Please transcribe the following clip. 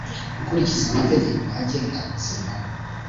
gukurikiza amategeko agenga ubuzima